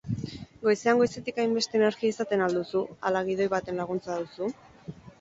Goizean goizetik hainbeste energia izaten al duzu ala gidoi baten laguntza duzu?